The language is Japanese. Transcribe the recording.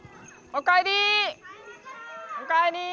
おかえり！